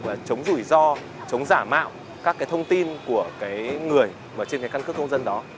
cái việc là chống rủi ro chống giả mạo các cái thông tin của cái người trên cái cân cước công dân đó